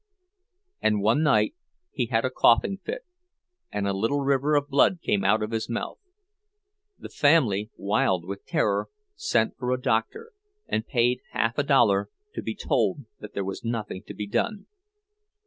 And one night he had a choking fit, and a little river of blood came out of his mouth. The family, wild with terror, sent for a doctor, and paid half a dollar to be told that there was nothing to be done.